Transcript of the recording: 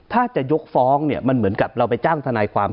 ถ้าจะยกฟ้องเนี่ยมันเหมือนกับเราไปจ้างทนายความ